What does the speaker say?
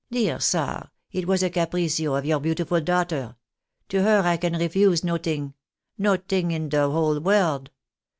" Dear sar, it was a capriccio of your beautiful daughter ; to her I can refuse no ting— no ting in the whole world.